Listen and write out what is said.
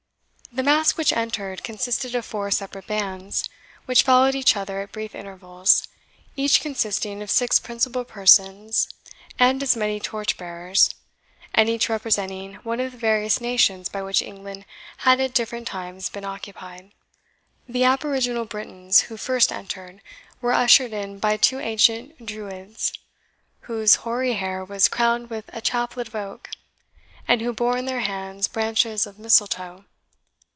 The masque which entered consisted of four separate bands, which followed each other at brief intervals, each consisting of six principal persons and as many torch bearers, and each representing one of the various nations by which England had at different times been occupied. The aboriginal Britons, who first entered, were ushered in by two ancient Druids, whose hoary hair was crowned with a chaplet of oak, and who bore in their hands branches of mistletoe.